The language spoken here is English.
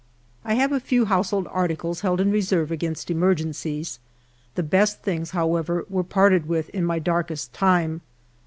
I have a few household articles held in reserve against emergencies : the best things, however, were parted with in my darkest time.